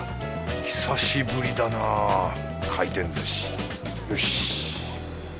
久しぶりだな回転寿司よし。